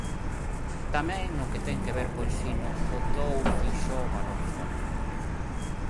Tamén no que ten que ver co ensino botou Feixóo balóns fóra.